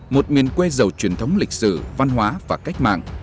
một miền quê giàu truyền thống lịch sử văn hóa và cách mạng